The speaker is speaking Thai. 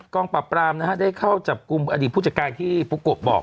งปราบปรามนะฮะได้เข้าจับกลุ่มอดีตผู้จัดการที่ปุ๊กโกะบอก